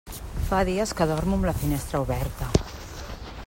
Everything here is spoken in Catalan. Fa dies que dormo amb la finestra oberta.